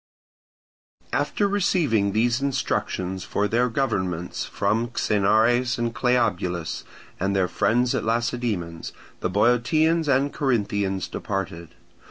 After receiving these instructions for their governments from Xenares and Cleobulus and their friends at Lacedaemon, the Boeotians and Corinthians departed.